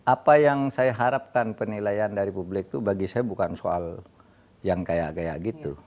apa yang saya harapkan penilaian dari publik itu bagi saya bukan soal yang kayak kayak gitu